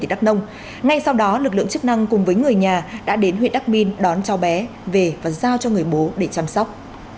đắk nông ngay sau đó lực lượng chức năng cùng với người nhà đã đến huyện đắc minh đón cháu bé về và giao cho người bố để chăm sóc